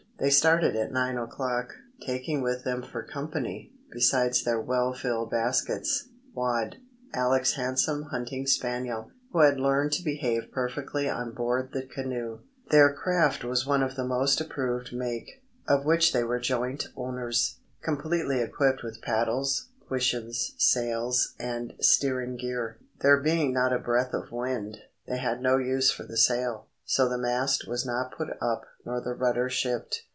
They started at nine o'clock, taking with them for company, besides their well filled baskets, Wad, Alec's handsome hunting spaniel, who had learned to behave perfectly on board the canoe. Their craft was of the most approved make, of which they were joint owners, completely equipped with paddles, cushions, sails, and steering gear. There being not a breath of wind, they had no use for the sail, so the mast was not put up nor the rudder shipped.